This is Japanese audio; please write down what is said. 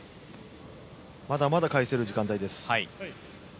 まだまだ返せる時間帯です。